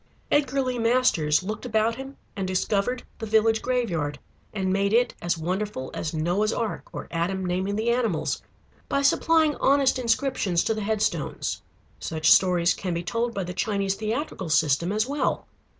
Edgar Lee Masters looked about him and discovered the village graveyard, and made it as wonderful as Noah's Ark, or Adam naming the animals, by supplying honest inscriptions to the headstones. Such stories can be told by the Chinese theatrical system as well.